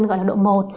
gọi là độ một